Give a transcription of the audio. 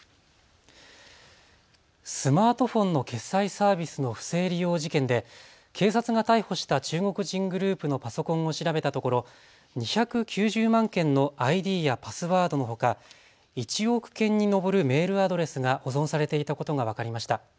スマートフォンの決済サービスの不正利用事件で警察が逮捕した中国人グループのパソコンを調べたところ２９０万件のＩＤやパスワードのほか１億件に上るメールアドレスが保存されていたことが分かりました。